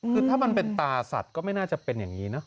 คือถ้ามันเป็นตาสัตว์ก็ไม่น่าจะเป็นอย่างนี้เนอะ